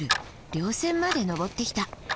稜線まで登ってきた。